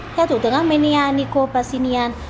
theo thủ tướng armenia nikol pashinyan